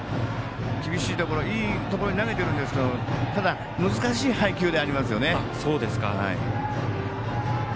厳しいところ、いいところに投げているんですけど難しい配球ではありますね。